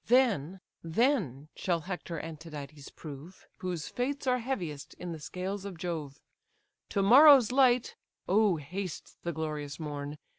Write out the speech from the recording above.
Then, then shall Hector and Tydides prove Whose fates are heaviest in the scales of Jove. To morrow's light (O haste the glorious morn!)